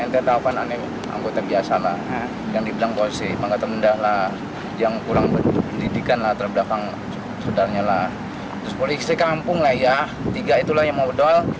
terus polisi kampung lah ya tiga itulah yang modal